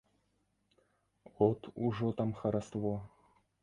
От ужо там хараство!